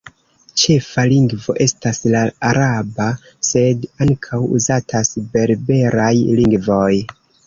Ĉefa lingvo estas la araba, sed ankaŭ uzatas berberaj lingvoj.